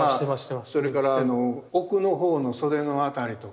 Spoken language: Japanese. それから奥の方の袖の辺りとか。